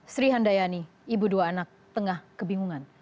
sri handayani ibu dua anak tengah kebingungan